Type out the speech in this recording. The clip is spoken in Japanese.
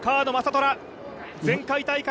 虎、前回大会